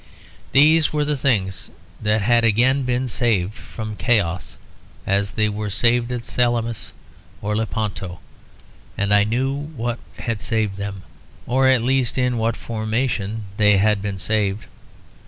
These were the things that had again been saved from chaos, as they were saved at Salamis and Lepanto; and I knew what had saved them or at least in what formation they had been saved.